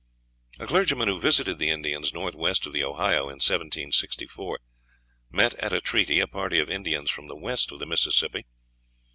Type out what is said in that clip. A clergyman who visited the Indians north west of the Ohio in 1764 met, at a treaty, a party of Indians from the west of the Mississippi.